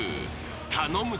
［頼むぞ。